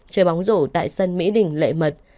chơi bóng rổ tại sân mỹ đình lệ mật